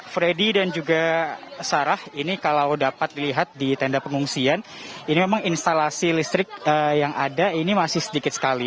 freddy dan juga sarah ini kalau dapat dilihat di tenda pengungsian ini memang instalasi listrik yang ada ini masih sedikit sekali